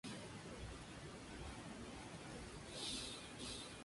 La lista negra causó protestas de miles de ciudadanos islandeses y políticos del país.